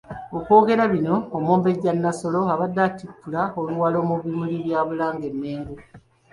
Okwogera bino Omumbejja Nassolo abadde atikkula Luwalo mu bimuli bya Bulange e Mmengo .